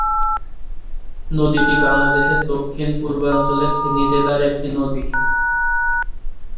নদীটি বাংলাদেশের দক্ষিণ-পূর্বাঞ্চলের ফেনী জেলার একটি নদী।